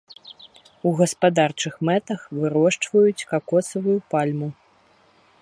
У гаспадарчых мэтах вырошчваюць какосавую пальму.